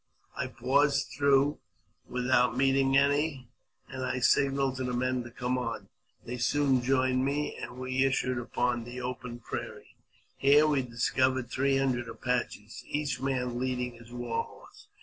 I passed through without meeting any, and I sig nalled to the men to come on ; they soon joined me, and we issued upon the open prairie. Here we discovered three hundred Apaches, each man leading his war horse.